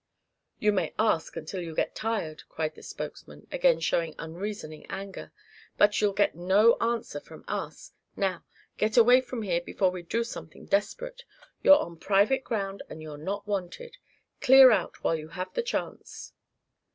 "You may ask until you get tired!" cried the spokesman, again showing unreasoning anger, "but you'll get no answer from us. Now get away from here before we do something desperate. You're on private ground and you're not wanted. Clear out while you have the chance."